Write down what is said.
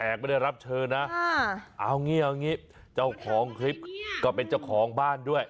ไม่ได้รับเชิญนะเอางี้เอางี้เจ้าของคลิปก็เป็นเจ้าของบ้านด้วย